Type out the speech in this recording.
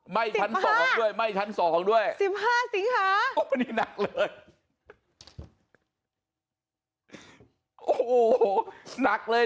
ไหม้ชั้นสองด้วยไหม้ชั้นสองด้วยสิบห้าสิงหาโอ้โหนี่หนักเลย